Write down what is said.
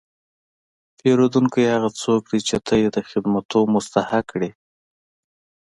پیرودونکی هغه څوک دی چې ته یې د خدمتو مستحق کړې.